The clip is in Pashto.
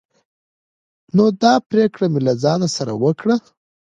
نو دا پريکړه مې له ځان سره وکړه